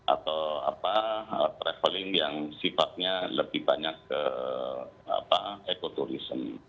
atau traveling yang sifatnya lebih banyak ke ekoturism